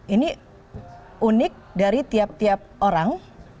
ini unik dari tiap tiap orang